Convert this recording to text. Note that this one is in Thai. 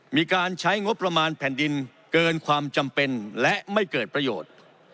มีการใช้งบประมาณแผ่นดินเกินความจำเป็นและไม่เกิดประโยชน์